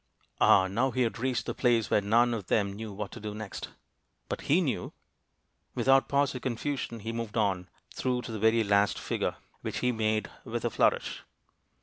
Ah! now he had reached the place where none of them knew what to do next. But he knew! Without pause or confusion, he moved on, through to the very last figure, which he made with a flourish.